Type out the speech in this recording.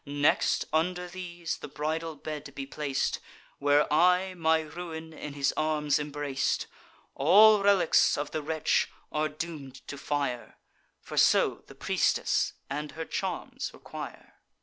Next, under these, the bridal bed be plac'd, Where I my ruin in his arms embrac'd: All relics of the wretch are doom'd to fire; For so the priestess and her charms require."